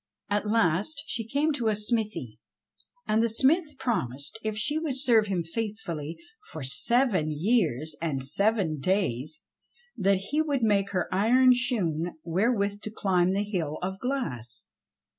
At last she came to a smithy ; and the smith promised if she would serve him faithfully for seven years and seven days, that he would make her iron shoon wherewith to climb the hill of glass.